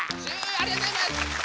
ありがとうございます！